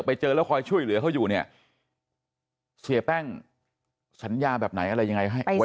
ไปเจอแล้วคอยช่วยเหลือเขาอยู่เนี่ยเสียแป้งสัญญาแบบไหนอะไรยังไงให้ไว้